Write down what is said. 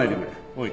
おい。